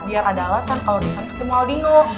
biar ada alasan kalo dihantar ke tempat aldino